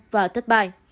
và thất bại